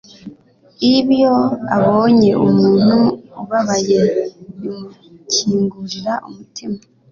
iyo abonye umuntu ababaye, bimukingurira umutima